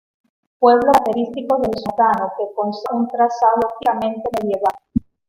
Pueblo característico del Somontano que conserva un trazado típicamente medieval.